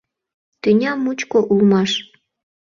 Тӱня мучко улмаш!